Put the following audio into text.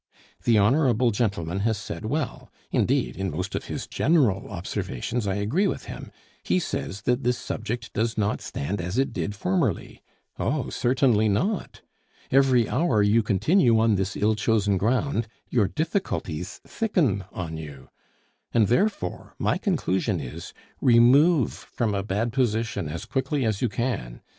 The honorable gentleman has said well indeed, in most of his general observations I agree with him he says that this subject does not stand as it did formerly. Oh, certainly not! Every hour you continue on this ill chosen ground, your difficulties thicken on you; and therefore my conclusion is, remove from a bad position as quickly as you can.